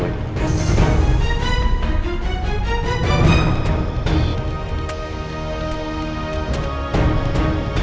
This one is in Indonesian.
buat yang mana